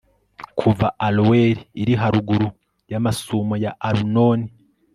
kuva aroweri iri haruguru y'amasumo ya arunoni